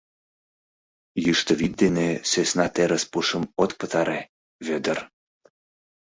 — Йӱштӧ вӱд дене сӧсна терыс пушым от пытаре, Вӧдыр.